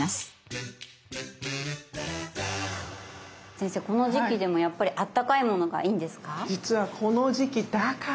先生この時期でもやっぱりあったかいものがいいんですか？